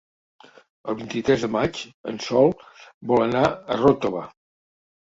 El vint-i-tres de maig en Sol vol anar a Ròtova.